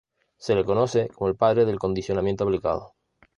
Se le conoce como el padre del condicionamiento aplicado.